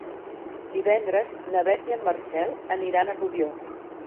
Divendres na Beth i en Marcel aniran a Rubió.